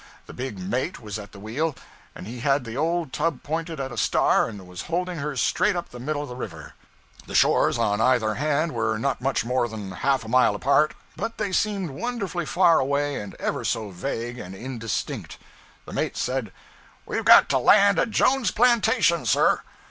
The big mate was at the wheel, and he had the old tub pointed at a star and was holding her straight up the middle of the river. The shores on either hand were not much more than half a mile apart, but they seemed wonderfully far away and ever so vague and indistinct. The mate said: 'We've got to land at Jones's plantation, sir.'